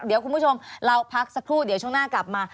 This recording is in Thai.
เดี๋ยวคุณผู้ชมเราพักสักครู่เดี๋ยวช่วงหน้ากลับมา